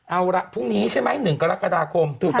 เอาละพรุ่งนี้ใช่ไหม๑กรกฎาคม